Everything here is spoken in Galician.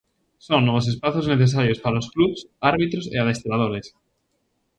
Son novos espazos necesarios para os clubs, árbitros e adestradores.